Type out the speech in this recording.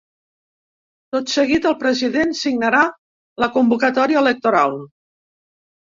Tot seguit, el president signarà la convocatòria electoral.